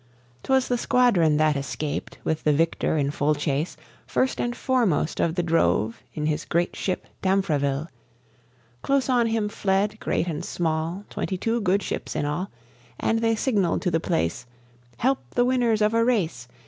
'Twas the squadron that escaped, with the victor in full chase, First and foremost of the drove, in his great ship, Damfreville; Close on him fled, great and small, Twenty two good ships in all; And they signalled to the place, "Help the winners of a race!